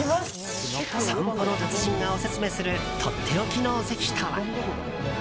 散歩の達人がオススメするとっておきの席とは。